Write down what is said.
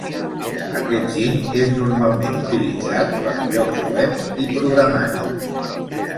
Aquest giny és normalment utilitzat per llocs web i programaris.